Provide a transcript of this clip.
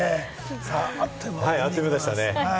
あっという間でしたね。